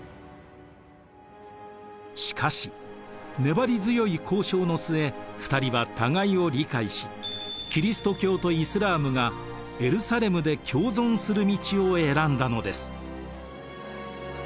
しかし粘り強い交渉の末２人は互いを理解しキリスト教とイスラームがエルサレムで共存する道を選んだのです。